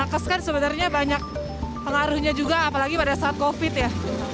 nakes kan sebenarnya banyak pengaruhnya juga apalagi pada saat covid ya